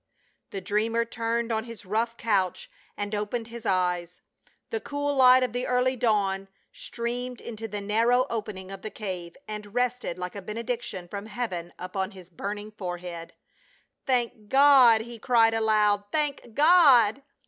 The dreamer turned on his rough couch and opened his eyes. The cool light of the early dawn streamed into the narrow opening of the cave, and rested like a benediction from heaven upon his burning fore head. ''Thank God!" he cried aloud, "Thank God!"